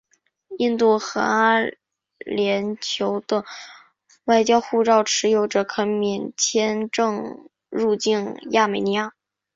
印度和阿联酋的外交护照持有者可免签证入境亚美尼亚。